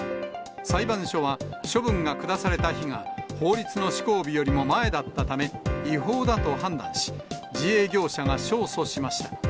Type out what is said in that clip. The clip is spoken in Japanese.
裁判所は、処分が下された日が法律の施行日よりも前だったため、違法だと判断し、自営業者が勝訴しました。